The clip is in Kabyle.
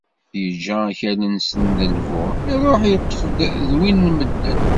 Yeǧǧa akal-nsen d lbur, iruḥ yeṭṭef-d win n medden.